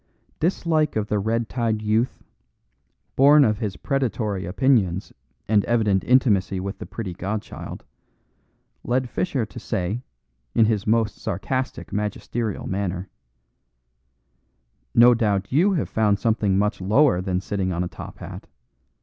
Dislike of the red tied youth, born of his predatory opinions and evident intimacy with the pretty godchild, led Fischer to say, in his most sarcastic, magisterial manner: "No doubt you have found something much lower than sitting on a top hat.